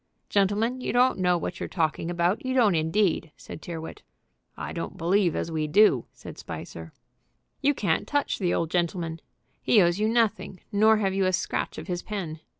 "Gentlemen, you don't know what you're talking about, you don't indeed," said Tyrrwhit. "I don't believe as we do," said Spicer. "You can't touch the old gentleman. He owes you nothing, nor have you a scratch of his pen.